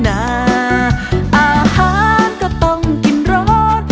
อาหารก็ต้องกินร้อน